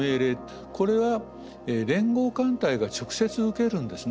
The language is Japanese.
これは連合艦隊が直接受けるんですね。